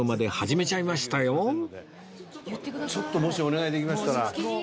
ちょっともしお願いできましたら。